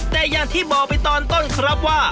แต่อย่างที่บอกไปตอนต้นครับว่า